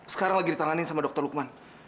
sekarang lagi ditanganin sama dokter lukman